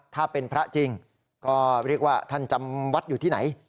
ถ้าเป็นพระจริงก็เรียกว่าท่านจำวัดอยู่ที่ไหน